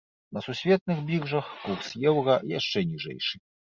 На сусветных біржах курс еўра яшчэ ніжэйшы.